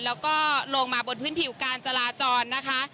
แล้วก็ลงมาบนพื้นผิวการจราจรนะคะ